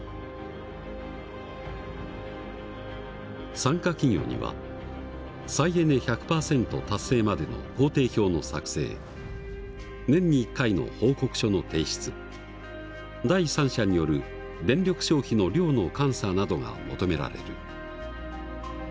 参加企業には再エネ１００％達成までの工程表の作成年に１回の報告書の提出第三者による電力消費の量の監査などが求められる。